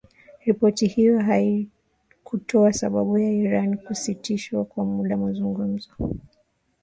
Ripoti hiyo haikutoa sababu ya Iran kusitisha kwa muda mazungumzo